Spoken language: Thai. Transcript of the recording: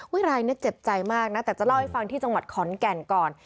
รายนี้เจ็บใจมากนะแต่จะเล่าให้ฟังที่จังหวัดขอนแก่นก่อน